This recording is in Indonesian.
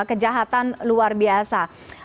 kejahatan luar biasa